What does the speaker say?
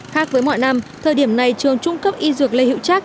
khác với mọi năm thời điểm này trường trung cấp y dược lê hiệu trác